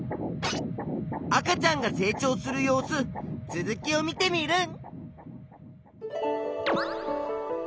赤ちゃんが成長する様子続きを見テミルン！